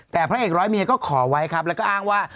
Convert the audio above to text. แต่พระเอกร้อยเมียก็ขอไว้ครับแล้วก็อ้างว่า